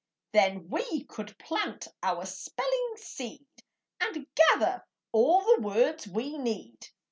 Then we could plant our spelling seed, And gather all the words we need.